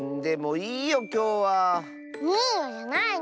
いいよじゃないの！